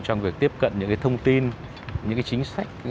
trong việc tiếp cận những thông tin những chính sách